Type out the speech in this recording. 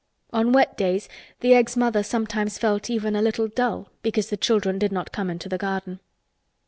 On wet days the Eggs' mother sometimes felt even a little dull because the children did not come into the garden.